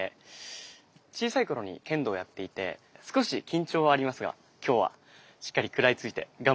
小さい頃に剣道をやっていて少し緊張はありますが今日はしっかり食らいついて頑張りたいと思います。